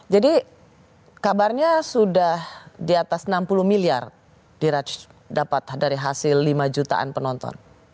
jadi kabarnya sudah di atas enam puluh miliar dapat dari hasil lima jutaan penonton